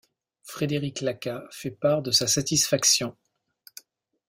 Frédéric Lacas fait part de sa satisfaction.